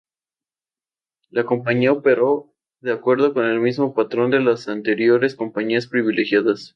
La compañía operó de acuerdo con el mismo patrón que las anteriores compañías privilegiadas.